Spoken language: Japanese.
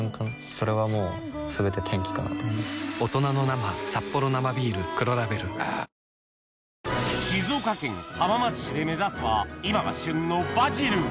それはもうすべて転機かなと静岡県浜松市で目指すは今が旬のバジル